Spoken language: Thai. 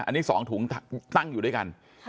อันนี้๒ถุงตั้งอยู่ด้วยกัน